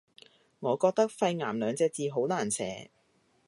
我覺得肺癌兩隻字好難寫